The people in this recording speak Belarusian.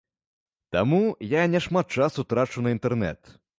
Таму, я не шмат часу трачу на інтэрнэт.